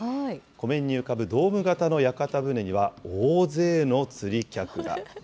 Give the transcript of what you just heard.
湖面に浮かぶドーム型の屋形船には大勢の釣り客が。